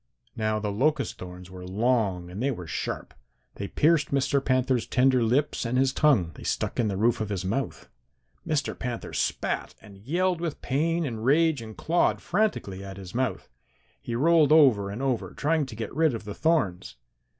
"Now the locust thorns were long and they were sharp. They pierced Mr. Panther's tender lips and his tongue. They stuck in the roof of his mouth. Mr. Panther spat and yelled with pain and rage and clawed frantically at his mouth. He rolled over and over trying to get rid of the thorns.